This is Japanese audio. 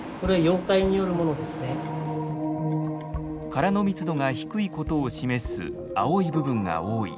殻の密度が低いことを示す青い部分が多い。